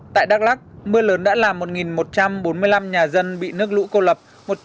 tại đắk lắc mưa lớn đã làm một một trăm bốn mươi năm nhà dân bị nước lũ cô lập